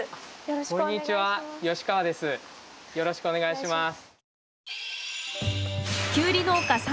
よろしくお願いします。